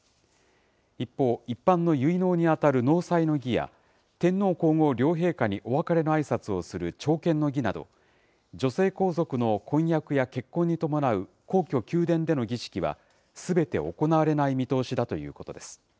一方、一般の結納に当たる納采の儀や天皇皇后両陛下にお別れのあいさつをする朝見の儀など、女性皇族の婚約や結婚に伴う皇居・宮殿での儀式はすべて行われない見通しだということです。